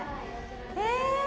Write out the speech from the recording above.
え！